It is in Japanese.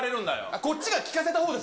こっちが聞かせたほうです。